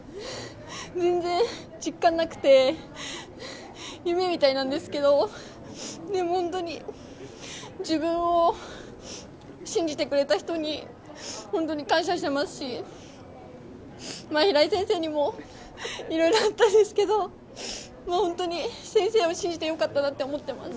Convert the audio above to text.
全然実感なくて夢みたいなんですけど自分を信じてくれた人に本当に感謝しますし平井先生にも色々あったんですけど本当に先生を信じてよかったなと思っています。